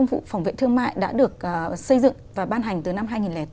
các công cụ phòng vệ thương mại đã được xây dựng và ban hành từ năm hai nghìn bốn